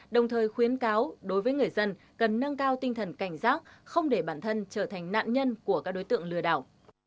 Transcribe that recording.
đồng thời khuyến cáo đối với người dân cần nâng cao tinh thần cảnh giác không để bản thân trở thành nạn nhân của các đối tượng lừa đảo